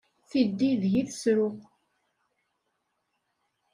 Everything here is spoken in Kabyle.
Tiddi deg-i tserru.